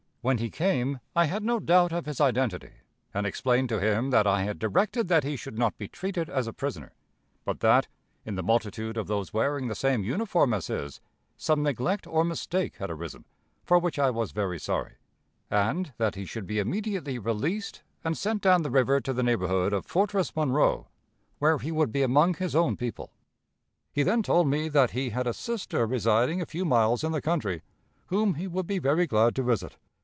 When he came, I had no doubt of his identity, and explained to him that I had directed that he should not be treated as a prisoner, but that, in the multitude of those wearing the same uniform as his, some neglect or mistake had arisen, for which I was very sorry, and that he should be immediately released and sent down the river to the neighborhood of Fortress Monroe, where he would be among his own people. He then told me that he had a sister residing a few miles in the country, whom he would be very glad to visit.